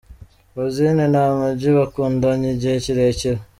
Rosine na Ama-G bakundanye igihe kirekire.